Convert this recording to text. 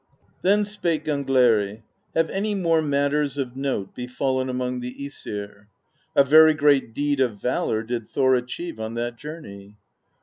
XLIX. Then spake Gangleri :" Have any more matters of note befallen among the ^sir? A very great deed of valor did Thor achieve on that journey."